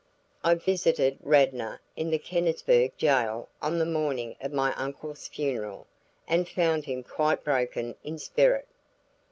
I visited Radnor in the Kennisburg jail on the morning of my uncle's funeral and found him quite broken in spirit.